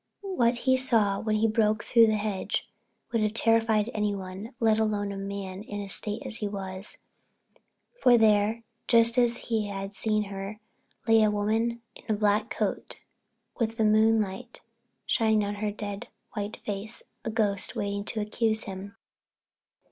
What he saw when he broke through the hedge would have terrified anyone, let alone a man in the state he was. For there, just as he had last seen her, lay a woman in a black coat with the moonlight shining on her dead white face—a ghost waiting to accuse him.